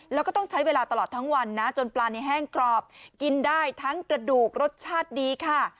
แล้วก็ต้องใช้เวลาตลอดทั้งวันนะจนปลาในแห้งกรอบกินได้ทั้งกระดูกรสชาติดีค่ะ